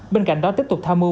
bên cạnh đó tiếp tục tham mưu